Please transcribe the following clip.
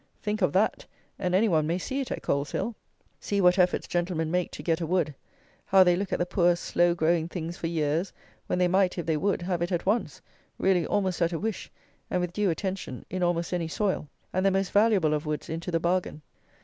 Think of that: and any one may see it at Coleshill. See what efforts gentlemen make to get a wood! How they look at the poor slow growing things for years; when they might, if they would, have it at once: really almost at a wish; and, with due attention, in almost any soil; and the most valuable of woods into the bargain.